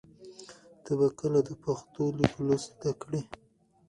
ته به کله د پښتو لیک لوست زده کړې؟